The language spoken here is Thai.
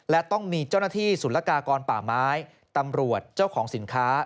และต้องมีเจ้าหน้าที่ศูนย์ละกากรป่าไม้ตำรวจเจ้าของสินค้า